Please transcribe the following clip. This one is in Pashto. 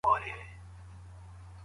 په هیواد کي ډیری نوي پروژې پیل سوې.